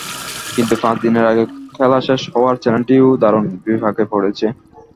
কিন্তু পাঁচ দিনের আগে খেলা শেষ হওয়ায় চ্যানেলটিও দারুণ বিপাকে পড়েছে।